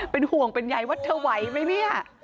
เป็นห่วงเป็นใยว่าเธอไหวไหมเนี่ย